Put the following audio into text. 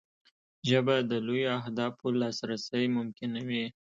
ژبه د لویو اهدافو لاسرسی ممکنوي